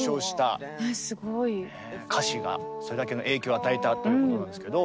歌詞がそれだけの影響を与えたということなんですけど。